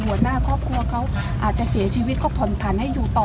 หัวหน้าครอบครัวเขาอาจจะเสียชีวิตเขาผ่อนผันให้อยู่ต่อ